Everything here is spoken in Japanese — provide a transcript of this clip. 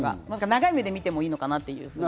長い目で見てもいいのかなと。